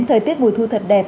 thời tiết mùa thu thật đẹp